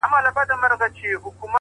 • چي پیدا دی له قسمته څخه ژاړي,